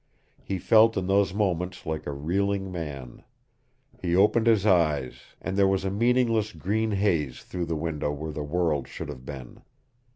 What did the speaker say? He felt in those moments like a reeling man. He opened his eyes, and there was a meaningless green haze through the window where the world should have been.